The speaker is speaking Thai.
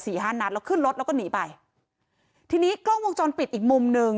ห้านัดแล้วขึ้นรถแล้วก็หนีไปทีนี้กล้องวงจรปิดอีกมุมหนึ่ง